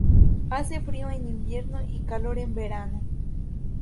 Hace frío en invierno y calor en verano.